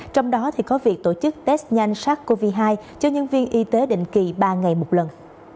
trong đó có việc tổ chức test nhanh sars cov hai cho nhân viên y tế định kỳ ba ngày một lần